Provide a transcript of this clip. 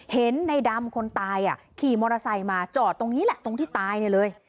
เห็นในดำคนตายขี่มอเตอร์ไซค์มาจอดตรงนี้แหละตรงที่ตายเนี่ยเลย